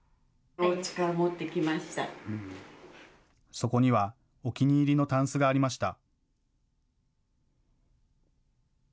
そこにはお気に入りのたんすがありました。